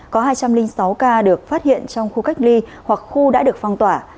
có hai trăm linh sáu ca được phát hiện trong khu cách ly hoặc khu đã được phong tỏa